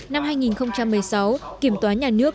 năm hai nghìn một mươi sáu kiểm toán nhà nước